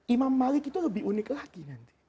imam malik itu lebih unik lagi nanti